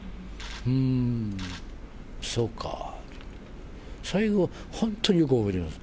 うーん、そうかと、最後、本当によく覚えています。